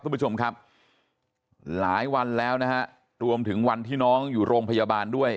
คุณผู้ชมครับหลายวันแล้วนะฮะรวมถึงวันที่น้องอยู่โรงพยาบาลด้วย